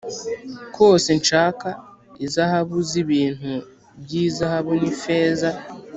kose nshaka izahabu z ibintu by izahabu n ifeza